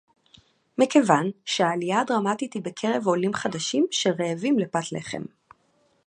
מכיוון שהעלייה הדרמטית היא בקרב עולים חדשים שרעבים לפת לחם